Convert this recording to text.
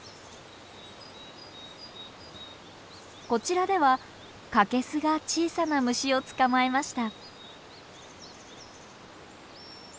こちらではカケスが小さな虫を捕まえました。